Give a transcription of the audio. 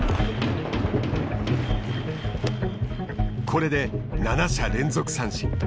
これで７者連続三振。